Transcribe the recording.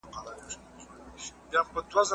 کار باید منظم وي.